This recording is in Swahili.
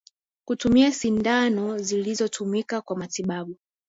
Kutumia sindano zilizotumika kwa matibabu